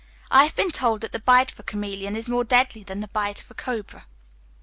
I have been told that the bite of a chamæleon is more deadly than that of a cobra.